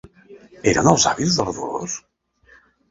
Eren els avis de la Dolors?